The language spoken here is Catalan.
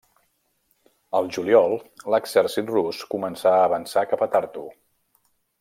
Al juliol l'exèrcit rus començà a avançar cap a Tartu.